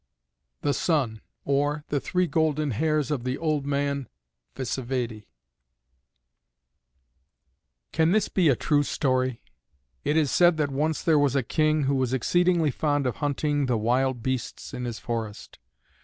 THE SUN; OR, THE THREE GOLDEN HAIRS OF THE OLD MAN VSÉVÈDE ADAPTED BY ALEXANDER CHODSKO Can this be a true story? It is said that once there was a King who was exceedingly fond of hunting the wild beasts in his forests.